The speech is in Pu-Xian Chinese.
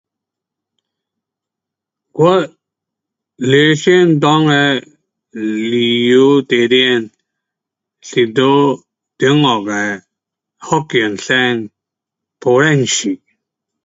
我理想内的旅游地点是在中国的福建省，莆田市。